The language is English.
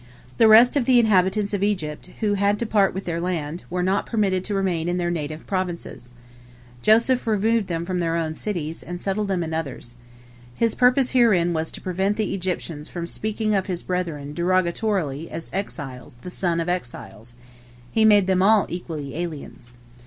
" The rest of the inhabitants of Egypt, who had to part with their land, were not permitted to remain in their native provinces. Joseph removed them from their own cities, and settled them in others. His purpose herein was to prevent the Egyptians from speaking of his brethren derogatorily as "exiles the sons of exiles"; he made them all equally aliens.